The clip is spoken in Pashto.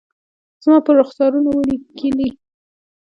زما پر رخسارونو ولیکلي